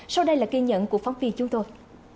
sau đây là ghi nhận của phóng viên chúng tôi